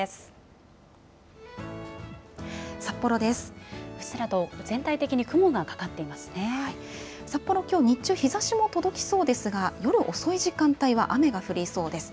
うっすらと全体的に雲がかかっていますね、日中、日ざしも届きそうですが、夜遅い時間帯は雨が降りそうです。